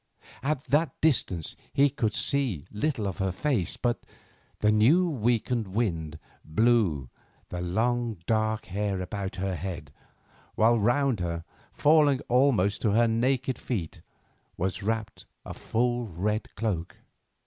At that distance he could see little of her face; but the new wakened wind blew the long dark hair about her head, while round her, falling almost to her naked feet, was wrapped a full red cloak.